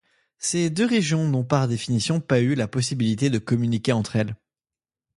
Ces deux régions n'ont par définition pas eu la possibilité de communiquer entre elles.